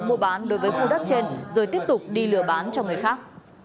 mua bán đối với khu đất trên rồi tiếp tục đi lừa bán cho người khác